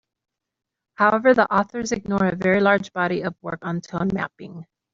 However, the authors ignore a very large body of work on tone mapping.